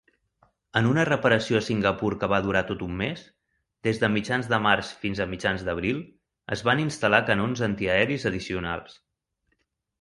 En una reparació a Singapur que va durar tot un mes, des de mitjans de març fins a mitjans d'abril, es van instal·lar canons antiaeris addicionals.